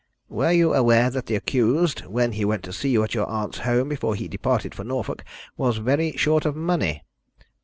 "Were you aware that the accused, when he went to see you at your aunt's home before he departed for Norfolk, was very short of money?"